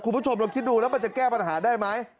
คุณผู้ชมลองคิดดูแล้วมันจะแก้ปัญหาได้ไหม